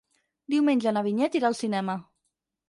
Diumenge na Vinyet irà al cinema.